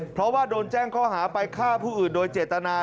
เพราะว่าโดนแจ้งข้อหาไปฆ่าผู้อื่นโดยเจตนา